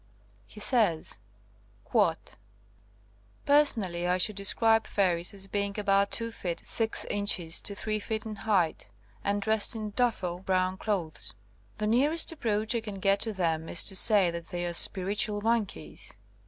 He says: 152 SOME SUBSEQUENT CASES Personally I should describe fairies as being about 2 feet 6 inches to 3 feet in height, and dressed in duffle brown clothes. The nearest approach I can get to them is to say that they are spiritual monkeys.